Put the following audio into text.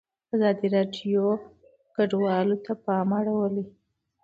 ازادي راډیو د کډوال ته پام اړولی.